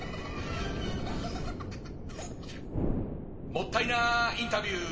もったいなインタビュー！